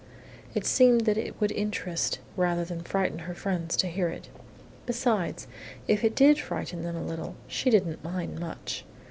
It seemed that it would interest rather than frighten her friends to hear of it. Besides, if it did frighten them a little, she didn't much mind.